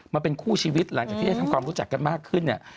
มาเป็นคู่ชีวิตหลังจากที่ได้ทำความรู้จักกันมากขึ้นเนี่ย